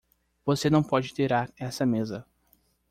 Você não pode tirar essa mesa.